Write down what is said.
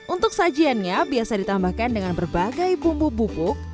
untuk sajiannya biasa ditambahkan dengan berbagai bumbu bubuk